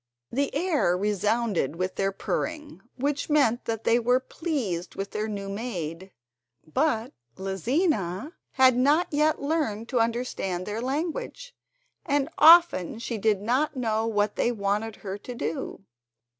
The air resounded with their purring, which meant that they were pleased with their new maid, but Lizina had not yet learned to understand their language, and often she did not know what they wanted her to do.